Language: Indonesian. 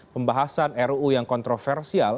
pembahasan ruu yang kontroversial